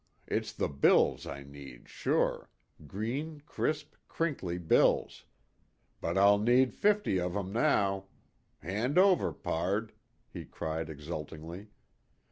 It's the bills I need sure green, crisp, crinkly bills. But I'll need fifty of 'em now. Hand over, pard," he cried exultingly.